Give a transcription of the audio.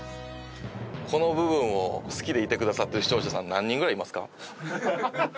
この部分を好きでいてくださってる視聴者さん何人ぐらいいますか？